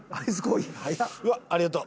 うわっありがとう。